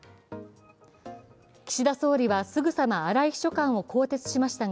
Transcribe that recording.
岸田総理は、すぐさま荒井秘書官を更迭しましたが